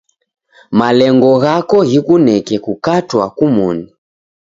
Malengo ghako ghikuneke kukatwa kumoni.